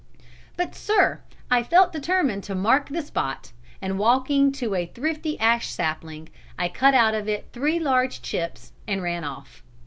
"'But, sir, I felt determined to mark the spot, and walking to a thrifty ash sapling, I cut out of it three large chips and ran off.